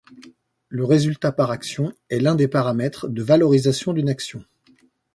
Le résultat par action est l'un des paramètres de valorisation d'une action.